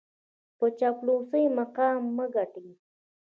په چاپلوسۍ مقام مه ګټئ.